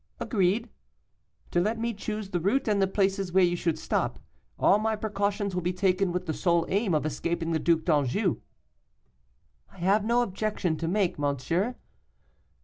'Agreed.' 'To let me choose the route, and the places where you should stop. All my precautions will be taken with the sole aim of escaping the Duc d'Anjou.' 'I have no objection to make, monsieur.